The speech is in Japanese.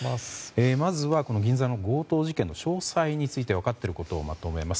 まずはこの銀座の強盗事件の詳細について分かっていることをまとめます。